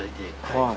はい。